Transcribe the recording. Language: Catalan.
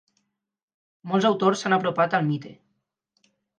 Molts autors s'han apropat al mite.